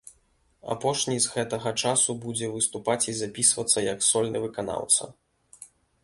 Апошні з гэтага часу будзе выступаць і запісвацца як сольны выканаўца.